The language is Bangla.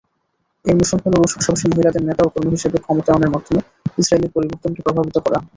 এর মিশন হল রুশ ভাষাভাষী মহিলাদের নেতা ও কর্মী হিসেবে ক্ষমতায়নের মাধ্যমে ইসরায়েলের পরিবর্তনকে প্রভাবিত করা।